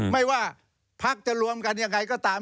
ไม่ว่าพักจะรวมกันยังไงก็ตาม